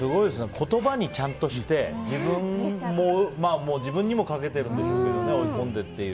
言葉にちゃんとして自分にもかけてるんでしょうけど追い込んでっていう。